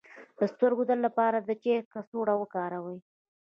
د سترګو درد لپاره د چای کڅوړه وکاروئ